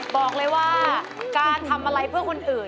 บอกเลยว่าการทำอะไรเพื่อคนอื่น